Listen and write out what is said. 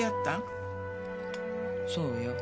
そうよ。